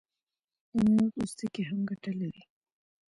د میوو پوستکي هم ګټه لري.